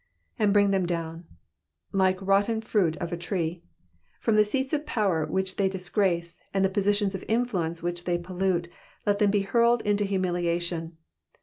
^'And bring them doum.'^'' Like rotten fruit from a tree. From the seats of power which they disgrace, and the positions of influence which they pollute, let them be hurled into humiliation.